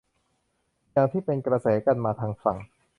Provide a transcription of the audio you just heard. อย่างที่เป็นกระแสกันมาทางฝั่ง